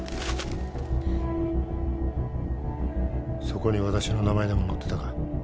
そこに私の名前でも載ってたか？